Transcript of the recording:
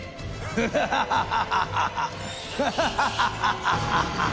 フハハハハ！